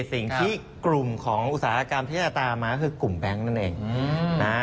สิ่งที่กลุ่มของอุตสาหกรรมที่จะตามมาก็คือกลุ่มแบงค์นั่นเองนะ